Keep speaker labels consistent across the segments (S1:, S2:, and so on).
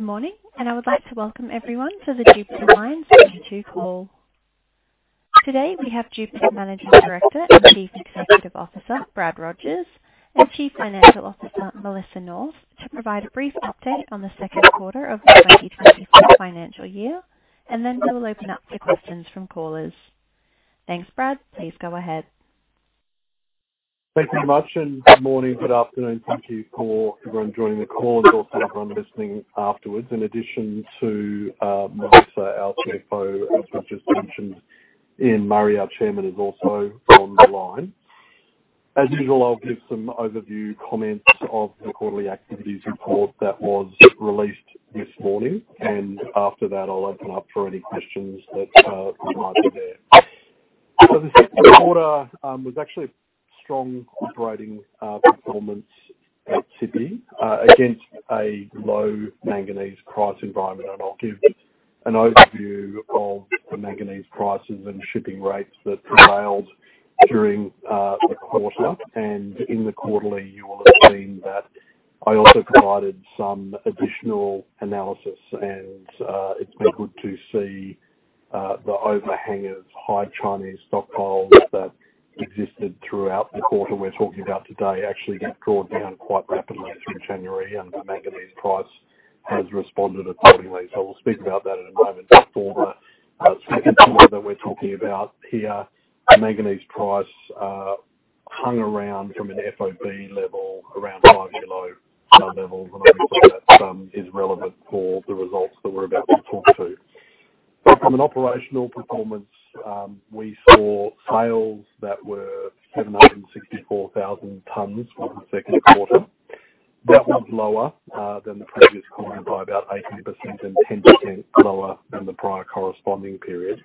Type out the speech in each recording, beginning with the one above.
S1: Good morning, and I would like to welcome everyone to the Jupiter Mines 2024 call. Today, we have Jupiter Mines Managing Director and Chief Executive Officer, Brad Rogers, and Chief Financial Officer, Melissa North, to provide a brief update on the second quarter of the 2024 financial year, and then we will open up to questions from callers. Thanks, Brad. Please go ahead.
S2: Thank you very much, and good morning. Good afternoon. Thank you for everyone joining the call and also everyone listening afterwards. In addition to Melissa, our CFO, as was just mentioned, Ian Murray, our Chairman, is also on the line. As usual, I'll give some overview comments of the quarterly activities report that was released this morning, and after that, I'll open up for any questions that you might have there. So the second quarter was actually a strong operating performance at Tshipi against a low manganese price environment. And I'll give an overview of the manganese prices and shipping rates that prevailed during the quarter. In the quarterly, you will have seen that I also provided some additional analysis, and it's been good to see the overhanging high Chinese stockpiles that existed throughout the quarter we're talking about today, actually get drawn down quite rapidly through January, and the manganese price has responded accordingly. So we'll speak about that in a moment. For the second quarter that we're talking about here, the manganese price hung around from an FOB level, around $5 below levels, and I think that is relevant for the results that we're about to talk to. From an operational performance, we saw sales that were 764,000 tonnes for the second quarter. That was lower than the previous quarter by about 18% and 10% lower than the prior corresponding period.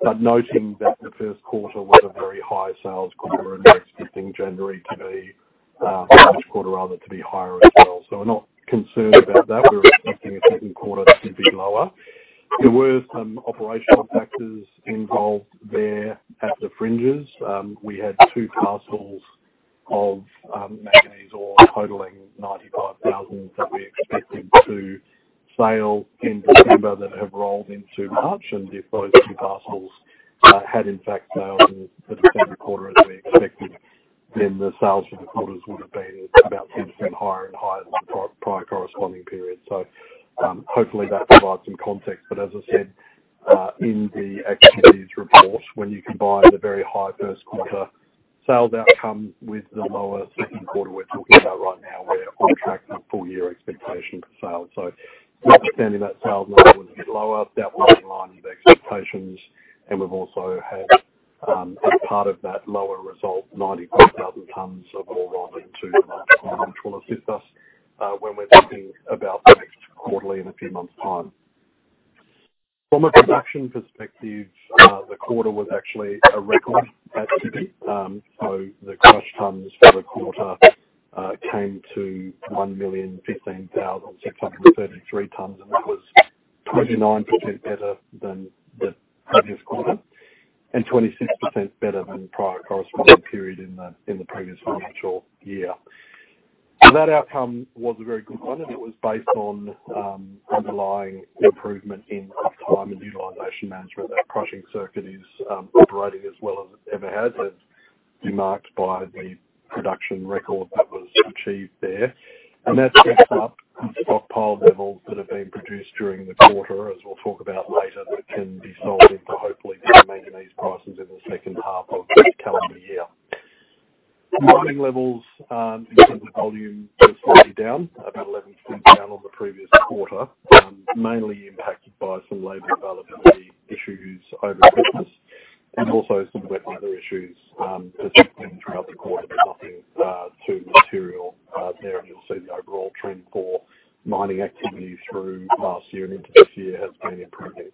S2: But noting that the first quarter was a very high sales quarter, and we're expecting January to be, March quarter, rather, to be higher as well. So we're not concerned about that. We're expecting a second quarter to be lower. There were some operational factors involved there at the fringes. We had two parcels of manganese ore totaling 95,000 that we expected to sell in December that have rolled into March. And if those two parcels had in fact sold in the same quarter as we expected, then the sales for the quarters would have been about 10% higher and higher than the prior corresponding period. So, hopefully that provides some context. But as I said, in the activities report, when you combine the very high first quarter sales outcome with the lower second quarter we're talking about right now, we're on track for full year expectations for sales. So understanding that sales number would be lower, that we're in line with expectations. And we've also had, as part of that lower result, 94,000 tonnes of ore rising to which will assist us, when we're talking about the next quarterly in a few months' time. From a production perspective, the quarter was actually a record at Tshipi. So the crush tonnes for the quarter came to 1,015,633 tonnes, and that was 29% better than the previous quarter and 26% better than the prior corresponding period in the previous financial year. So that outcome was a very good one, and it was based on underlying improvement in uptime and utilization management. That crushing circuit is operating as well as it ever has, as earmarked by the production record that was achieved there. And that's picked up the stockpile levels that have been produced during the quarter, as we'll talk about later, that can be sold into, hopefully, the manganese prices in the second half of the calendar year. Mining levels, in terms of volume, were slightly down, about 11% down on the previous quarter, mainly impacted by some labor availability issues over Christmas and also some weather issues that took place throughout the quarter, but nothing too material there. You'll see the overall trend for mining activity through last year and into this year has been improving.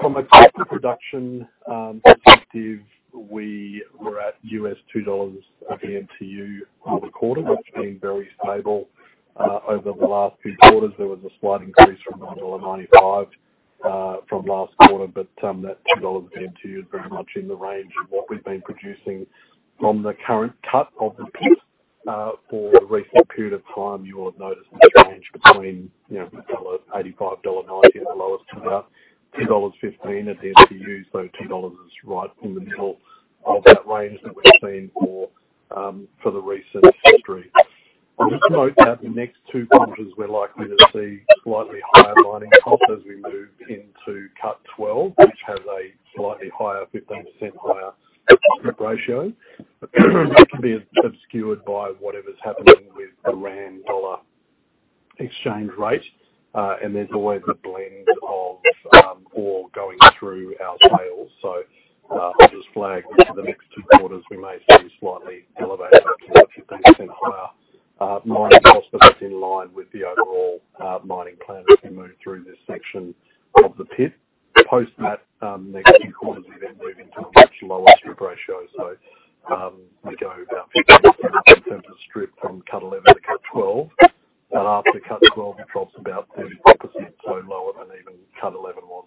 S2: From a cost of production perspective, we were at $2 at the dmtu for the quarter, which has been very stable over the last few quarters. There was a slight increase from $1.95 from last quarter, but that $2 dmtu is very much in the range of what we've been producing from the current cut of the pit. For a recent period of time, you will have noticed a change between, you know, $1.85, $1.90 the lowest to about $2.15 at the dmtu. So $2 is right in the middle of that range that we've seen for the recent history. I'll just note that the next two quarters, we're likely to see slightly higher mining costs as we move into cut 12, which has a slightly higher, 15% higher strip ratio. That can be obscured by whatever's happening with the rand/dollar exchange rate. And there's always a blend of, ore going through our sales. So, I'll just flag for the next two quarters, we may see slightly elevated, a 15% higher, mining cost, but that's in line with the overall, mining plan as we move through this section of the pit. Post that, next two quarters, we then move into a much lower strip ratio. So, we go down in terms of strip from cut 11 to cut 12, but after cut 12, it drops about 30%, so lower than even cut 11 was.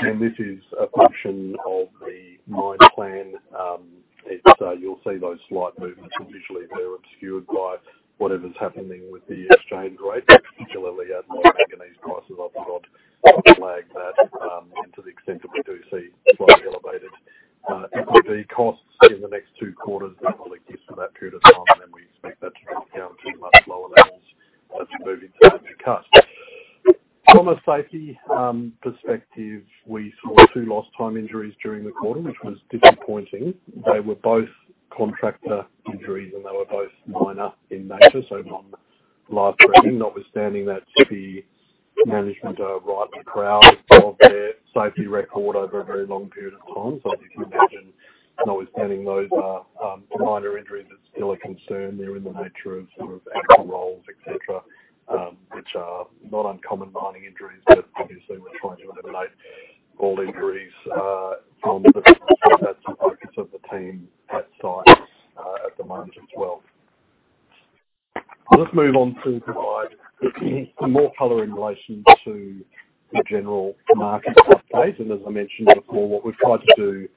S2: Again, this is a function of the mine plan. It's, you'll see those slight movements, and usually they're obscured by whatever's happening with the Australian rate, particularly as manganese prices have got, lag that, and to the extent that we do see slightly elevated, input costs in the next two quarters, that probably gives to that period of time, and we expect that to drop down to much lower levels as we move into 2024. From a safety perspective, we saw two lost time injuries during the quarter, which was disappointing. They were both contractor injuries, and they were both minor in nature, so not life-threatening. Notwithstanding that, the management are right to be proud of their safety record over a very long period of time. So if you imagine, notwithstanding those minor injuries, it's still a concern there in the nature of sort of actual roles, et cetera, which are not uncommon mining injuries, but obviously we're trying to eliminate all injuries. On the—that's the focus of the team at sites at the moment as well. I'll just move on to provide some more color in relation to the general market update. As I mentioned before, what we've tried to do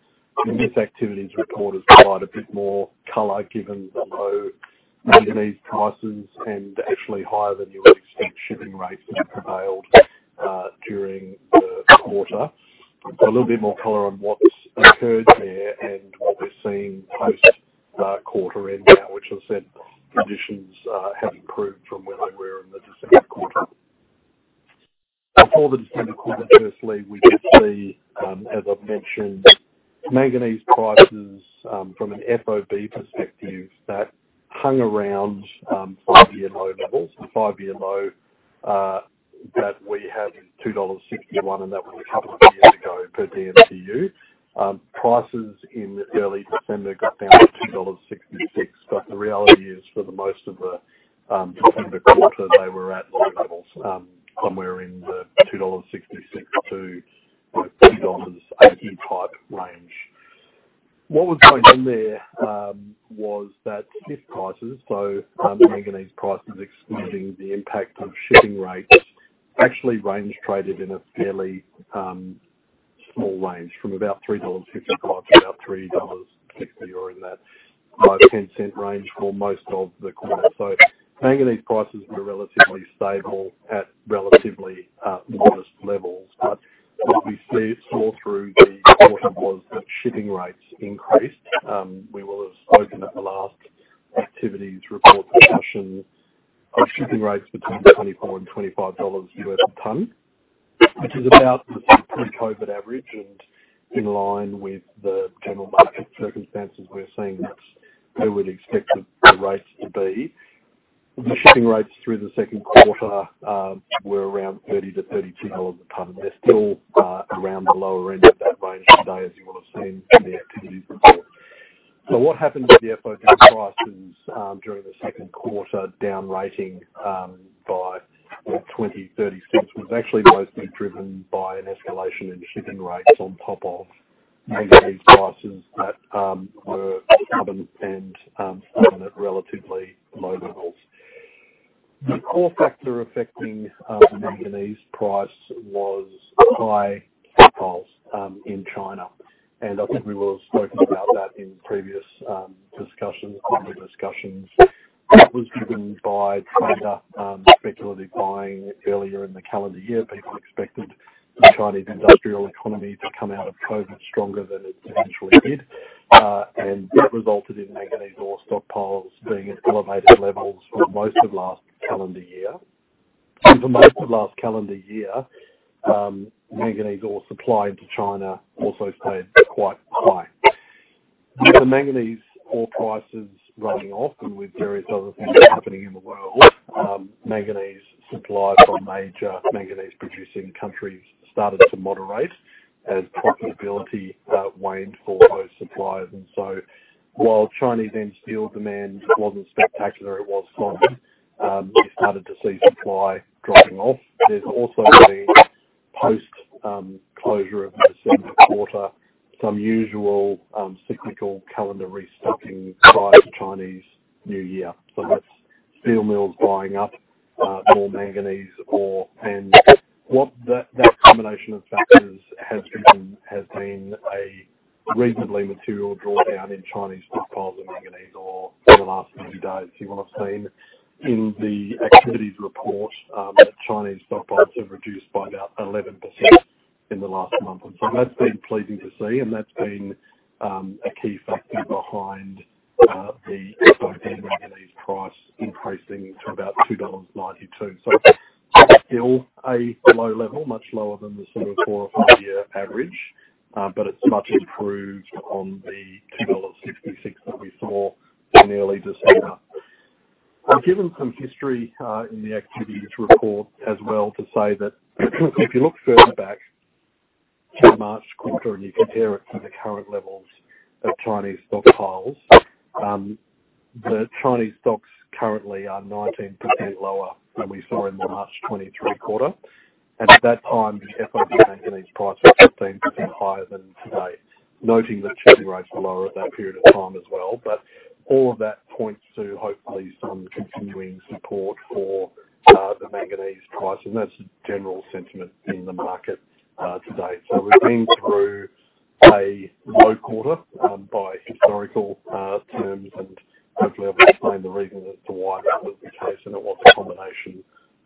S2: in this activities report is provide a bit more color, given the low manganese prices and actually higher than you expect shipping rates that prevailed during the quarter. So a little bit more color on what's occurred there and what we're seeing post quarter end now, which, I said, conditions have improved from where they were in the December quarter. Before the December quarter, firstly, we did see, as I've mentioned, manganese prices, from an FOB perspective, that hung around, five-year low levels. The five-year low, that we had in $2.61, and that was a couple of years ago, per dmtu. Prices in early December got down to $2.66. But the reality is, for most of the December quarter, they were at low levels, somewhere in the $2.66-$3.80 type range. What was going on there, was that CIF prices, so, manganese prices, excluding the impact of shipping rates, actually range traded in a fairly, small range from about $3.55 to about $3.60, or in that $0.05-$0.10 range for most of the quarter. So manganese prices were relatively stable at relatively modest levels. But what we saw through the quarter was that shipping rates increased. We will have spoken at the last activities report discussion of shipping rates between $24 and $25 a tonne, which is about the pre-COVID average and in line with the general market circumstances we're seeing, that we would expect the rates to be. The shipping rates through the second quarter were around $30-$32 a tonne. They're still around the lower end of that range today, as you would have seen in the activities report. What happened with the FOB prices during the second quarter, down rating by well $20-$36, was actually mostly driven by an escalation in shipping rates on top of manganese prices that were stubborn and stubborn at relatively low levels. The core factor affecting the manganese price was high stockpiles in China, and I think we will have spoken about that in previous discussions, quarter discussions. That was driven by trader speculatively buying earlier in the calendar year. People expected the Chinese industrial economy to come out of COVID stronger than it eventually did, and that resulted in manganese ore stockpiles being at elevated levels for most of last calendar year. For most of last calendar year, manganese ore supply into China also stayed quite high. With the manganese ore prices running off and with various other things happening in the world, manganese supply from major manganese-producing countries started to moderate as profitability waned for those suppliers. And so while Chinese end steel demand wasn't spectacular, it was fine. We started to see supply dropping off. There's also been post-closure of the December quarter, some usual cyclical calendar restocking prior to Chinese New Year. So that's steel mills buying up more manganese ore. And what that combination of factors has been a reasonably material drawdown in Chinese stockpiles of manganese ore over the last few days. You will have seen in the activities report that Chinese stockpiles have reduced by about 11% in the last month. And so that's been pleasing to see, and that's been a key factor behind the FOB manganese price increasing to about $2.92. So still a low level, much lower than the sort of four- or five-year average, but it's much improved on the $2.66 that we saw in early December. I've given some history in the activities report as well to say that if you look further back to the March quarter, and you compare it to the current levels of Chinese stockpiles, the Chinese stocks currently are 19% lower than we saw in the March 2023 quarter. And at that time, the FOB manganese price was 15% higher than today, noting that shipping rates were lower at that period of time as well. But all of that points to hopefully some continuing support for the manganese price, and that's the general sentiment in the market today. So we've been through a low quarter by historical terms, and hopefully I've explained the reason as to why that was the case, and it was a combination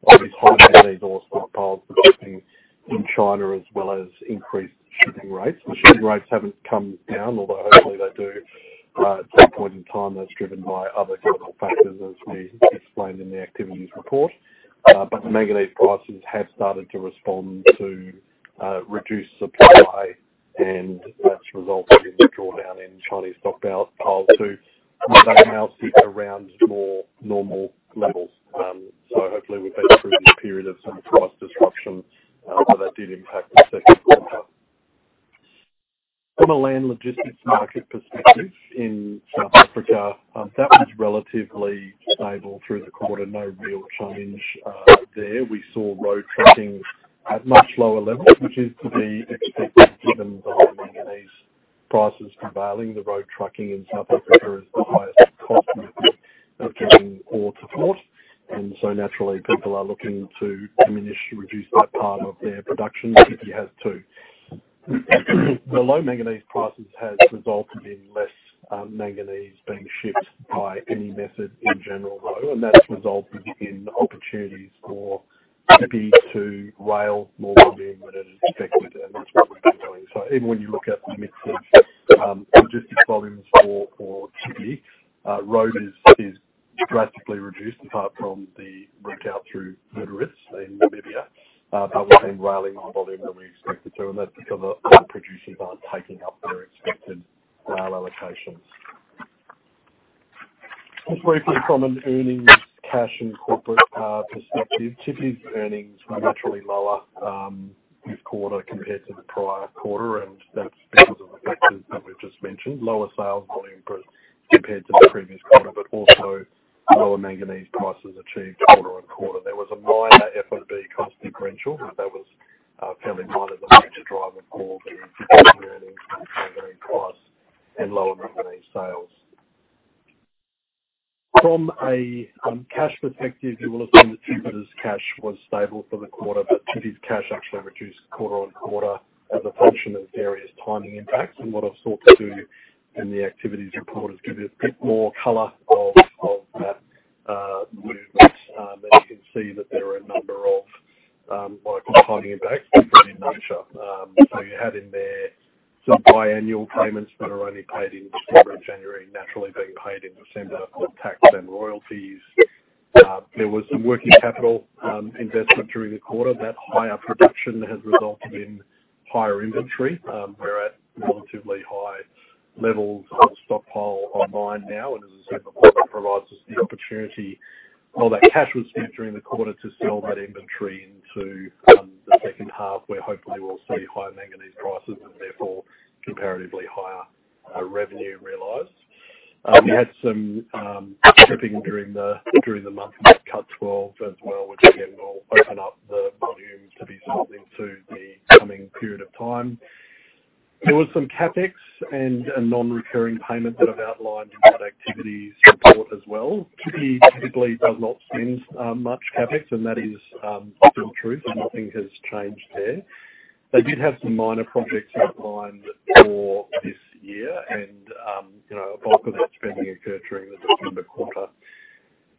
S2: of high manganese ore stockpiles existing in China, as well as increased shipping rates. The shipping rates haven't come down, although hopefully they do at some point in time. That's driven by other global factors, as we explained in the activities report. But the manganese prices have started to respond to reduced supply, and that's resulted in the drawdown in Chinese stockpile to, and they're now sitting around more normal levels. So hopefully we've gone through the period of some price disruption, but that did impact the second quarter. From a land logistics market perspective in South Africa, that was relatively stable through the quarter. No real change, there. We saw road trucking at much lower levels, which is to be expected given the manganese prices prevailing. The road trucking in South Africa is the highest cost of getting ore to port, and so naturally, people are looking to diminish, reduce that part of their production if you have to. The low manganese prices has resulted in less, manganese being shipped by any method in general, though, and that's resulted in opportunities for Tshipi to rail more than expected, and that's what we've been doing. So even when you look at the mix of, logistics volumes for Tshipi, road is drastically reduced, apart from the route out through Lüderitz in Namibia. But we've been railing more volume than we expected to, and that's because a lot of producers aren't taking up their expected rail allocations. Just briefly, from an earnings, cash, and corporate perspective, Tshipi's earnings were naturally lower this quarter compared to the prior quarter, and that's because of the factors that we've just mentioned. Lower sales volume compared to the previous quarter, but also lower manganese prices achieved quarter-on-quarter. There was a minor FOB cost differential, but that was fairly minor. The major driver for the earnings, price, and lower manganese sales. From a cash perspective, you will have seen that Jupiter's cash was stable for the quarter, but Tshipi's cash actually reduced quarter-on-quarter as a function of various timing impacts. What I've sought to do in the activities report is give you a bit more color of that movement. You can see that there are a number of, like, timing impacts in nature. You had in there some biannual payments that are only paid in December and January, naturally being paid in December, with tax and royalties. There was some working capital investment during the quarter. That higher production has resulted in higher inventory. We're at relatively high levels of stockpile online now, and as I said, the market provides us the opportunity. All that cash was spent during the quarter to sell that inventory into the second half, where hopefully we'll see higher manganese prices and therefore comparatively higher revenue realized. We had some shipping during the month of July, as well, which again, will open up the volume to be sold into the coming period of time. There was some CapEx and a non-recurring payment that I've outlined in that activities report as well. Tshipi typically does not spend much CapEx, and that is still true, and nothing has changed there. They did have some minor projects outlined for this year and, you know, the bulk of that spending occurred during the December quarter.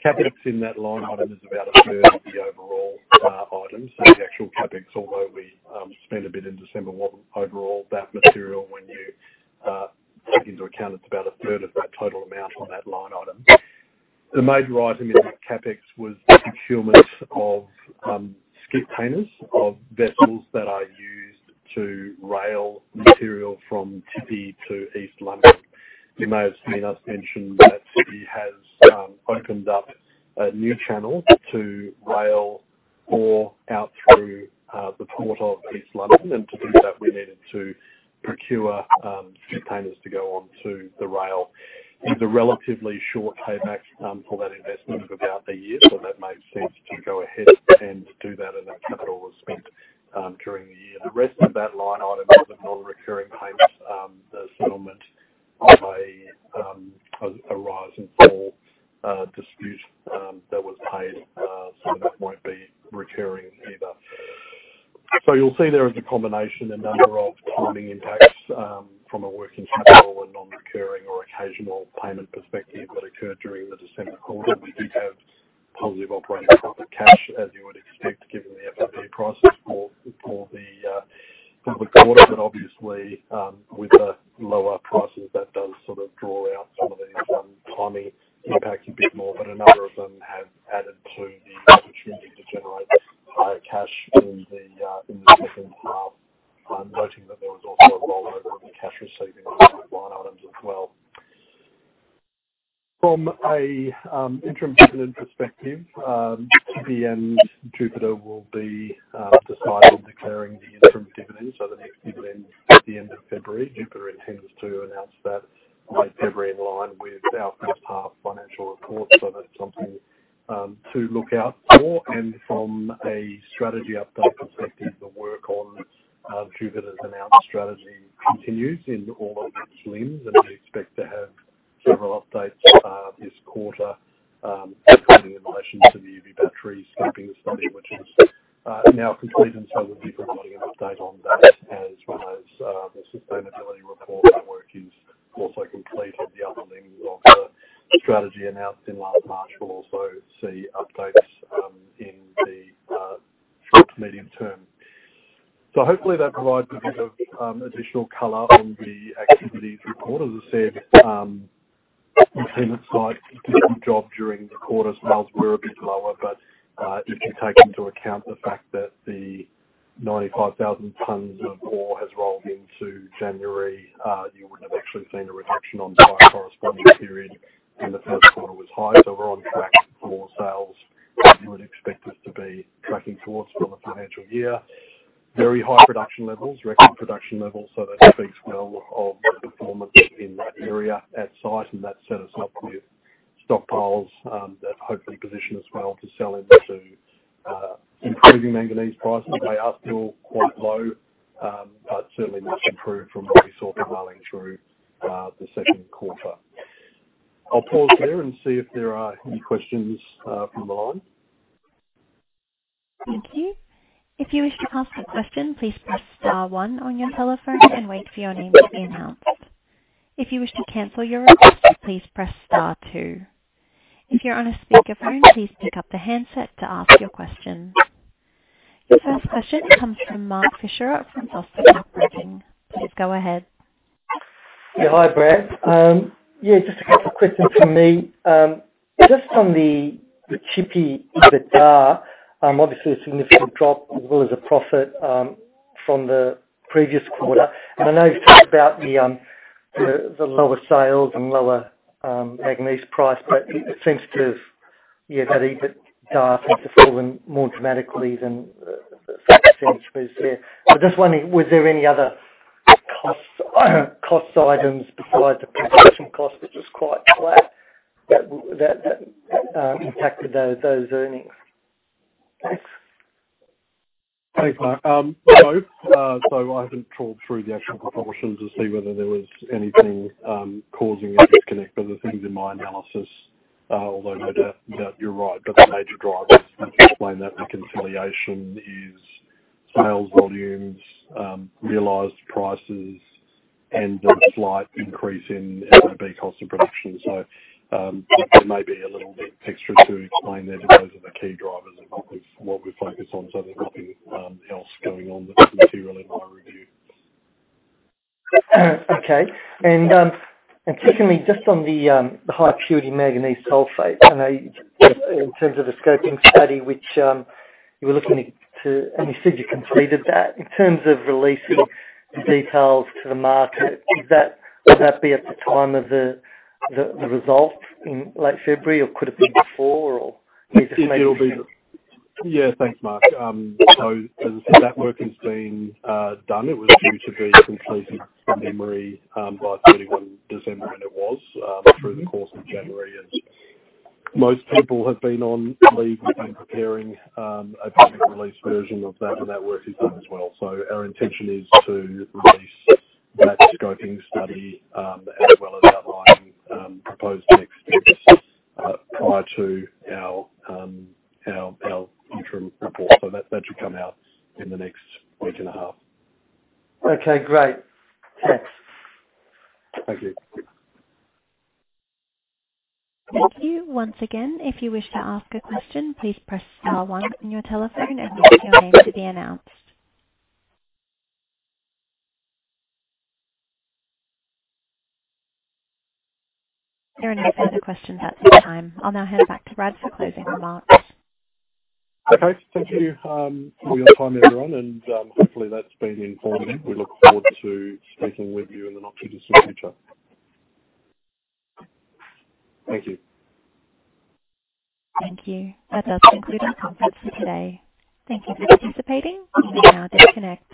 S2: CapEx in that line item is about a third of the overall item. So the actual CapEx, although we spent a bit in December, was overall that material when you take into account, it's about a third of that total amount on that line item. The major item in the CapEx was the procurement of skip containers of vessels that are used to rail material from Tshipi to East London. You may have seen us mention that Tshipi has opened up a new channel to rail ore out through the port of East London. And to do that, we needed to procure skip containers to go on to the rail. It's a relatively short payback for that investment of about a year. So that made sense to go ahead and do that, and that capital was spent during the year. The rest of that line item is a non-recurring payment, the settlement of a rise and fall dispute, that was paid, so that won't be recurring either. So you'll see there is a combination, a number of timing impacts, from a working capital and non-recurring or occasional payment perspective that occurred during the December quarter. We did have positive operating profit cash, as you would expect, given the FOB prices for the quarter. But obviously, with the lower prices, that does sort of draw out some of these timing impacts a bit more, but a number of them have added to the opportunity to generate higher cash in the second half. I'm noting that there was also a rollover in the cash receiving line items as well. From a interim dividend perspective, Tshipi é Ntle and Jupiter will be deciding, declaring the interim dividend, so the next dividend at the end of February. Jupiter intends to announce that by February, in line with our first half financial report. So that's something to look out for. From a strategy update perspective, the work on Jupiter's announced strategy continues in all of its limbs, and we expect to have several updates this quarter, including in relation to the EV battery scoping study, which is now complete, and so we'll be providing an update on that, as well as the sustainability report work is also completed. The other things of the strategy announced in last March will also see updates in the short to medium term. So hopefully that provides a bit of additional color on the activities report. As I said, it seems like did a good job during the quarter. Sales were a bit lower, but if you take into account the fact that the 95,000 tonnes of ore has rolled into January, you would have actually seen a reduction on the corresponding period, and the first quarter was high. So we're on track for sales that you would expect us to be tracking towards for the financial year. Very high production levels, record production levels, so that speaks well of the performance in that area, that site, and that set us up with stockpiles that hopefully position us well to sell into improving manganese prices. They are still quite low, but certainly much improved from what we saw prevailing through the second quarter. I'll pause there and see if there are any questions from the line.
S1: Thank you. If you wish to ask a question, please press star one on your telephone and wait for your name to be announced. If you wish to cancel your request, please press star two. If you're on a speakerphone, please pick up the handset to ask your question. Your first question comes from Mark Fichera from Foster. Please go ahead.
S3: Yeah. Hi, Brad. Yeah, just a couple of questions from me. Just on the Tshipi EBITDA, obviously a significant drop as well as a profit from the previous quarter. And I know you've talked about the lower sales and lower manganese price, but it seems to have, yeah, that EBITDA seems to fallen more dramatically than the first two were there. I'm just wondering, was there any other costs, cost items besides the production cost, which was quite flat, that that impacted those earnings? Thanks.
S2: Thanks, Mark. No, so I haven't trawled through the actual proportions to see whether there was anything causing a disconnect. But the things in my analysis, although no doubt that you're right, but the major drivers to explain that reconciliation is sales volumes, realized prices, and a slight increase in FOB cost of production. So, there may be a little bit extra to explain there, but those are the key drivers and what we've, what we've focused on. So there's nothing else going on that's materially in my review.
S3: Okay. And secondly, just on the high purity manganese sulfate, I know in terms of the scoping study, which you were looking into, and you said you completed that. In terms of releasing the details to the market, is that—would that be at the time of the result in late February, or could it be before, or maybe—
S2: It'll be the—Yeah. Thanks, Mark. So as I said, that work has been done. It was due to be completed, from memory, by 31 December, and it was through the course of January, and most people have been on leave and preparing a public release version of that, and that work is done as well. So our intention is to release that scoping study as well as outlining proposed next steps prior to our interim report. So that, that should come out in the next week and a half.
S3: Okay, great! Thanks.
S2: Thank you.
S1: Thank you. Once again, if you wish to ask a question, please press star one on your telephone and wait for your name to be announced. There are no further questions at this time. I'll now hand it back to Brad for closing remarks.
S2: Okay. Thank you, for your time, everyone, and hopefully, that's been informative. We look forward to speaking with you in the not-too-distant future. Thank you.
S1: Thank you. That does conclude our conference for today. Thank you for participating. You may now disconnect.